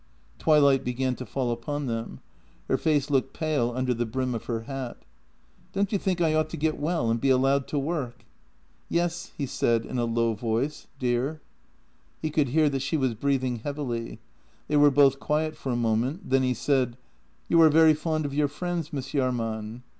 Twilight began to fall upon them. Her face looked pale under the brim of her hat. " Don't you think I ought to get well, and be allowed to work? "" Yes," he said in a low voice; " dear. ..." He could hear that she was breathing heavily. They were both quiet for a moment, then he said :" You are very fond of your friends, Miss Jahrman?